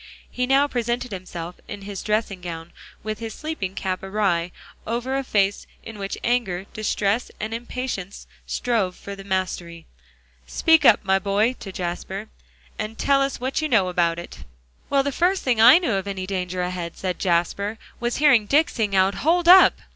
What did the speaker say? He now presented himself in his dressing gown, with his sleeping cap awry, over a face in which anger, distress and impatience strove for the mastery. "Speak up, my boy," to Jasper, "and tell us what you know about it." "Well, the first thing I knew of any danger ahead," said Jasper, "was hearing Dick sing out 'Hold up!'